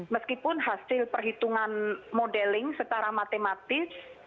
meskipun hasil perhitungan modeling secara matematis